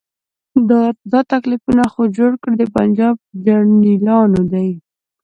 دا تکلیفونه خو جوړ کړي د پنجاب جرنیلانو دي.